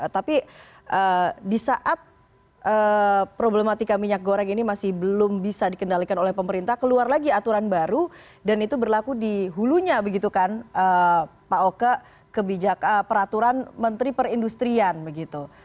tapi di saat problematika minyak goreng ini masih belum bisa dikendalikan oleh pemerintah keluar lagi aturan baru dan itu berlaku di hulunya begitu kan pak oke peraturan menteri perindustrian begitu